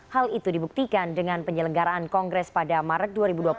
hal itu dibuktikan dengan penyelenggaraan kongres pada maret dua ribu dua puluh